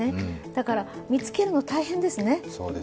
だから、見つけるの、大変ですね。